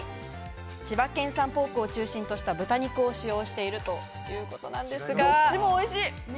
千葉県産ポークを中心とした豚肉を使用しているということなんです。